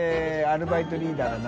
アルバイトリーダーが？